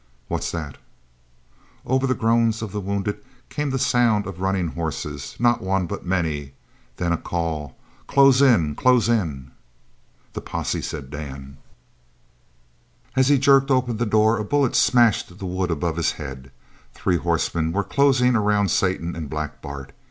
"What's that?" Over the groans of the wounded came the sound of running horses, not one, but many, then a call: "Close in! Close in!" "The posse!" said Dan. As he jerked open the door a bullet smashed the wood above his head. Three horsemen were closing around Satan and Black Bart.